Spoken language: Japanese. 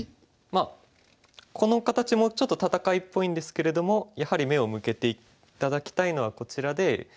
まあこの形もちょっと戦いっぽいんですけれどもやはり目を向けて頂きたいのはこちらで。